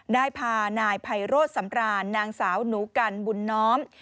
ได้พานายไพโรธสำรานนางสาวหนูกันบุญน้อม